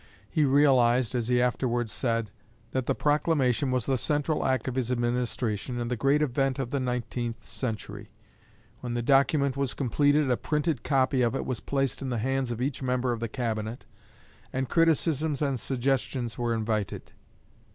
He realized, as he afterwards said, that the proclamation was the central act of his administration and the great event of the nineteenth century. When the document was completed a printed copy of it was placed in the hands of each member of the Cabinet, and criticisms and suggestions were invited.